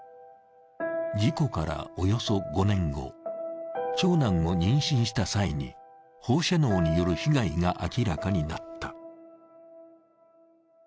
事故からおよそ５年後、長男を妊娠した際に放射能による被害が明らかになった。